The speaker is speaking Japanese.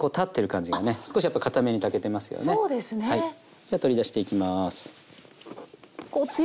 じゃあ取り出していきます。